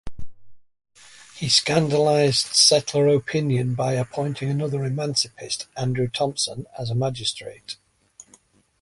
He scandalised settler opinion by appointing another emancipist, Andrew Thompson, as a magistrate.